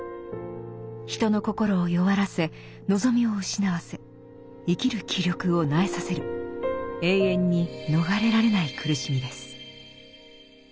人の心を弱らせ望みを失わせ生きる気力を萎えさせる永遠に逃れられない苦しみです。